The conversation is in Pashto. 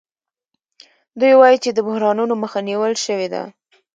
دوی وايي چې د بحرانونو مخه نیول شوې ده